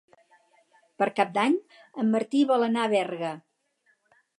Per Cap d'Any en Martí vol anar a Berga.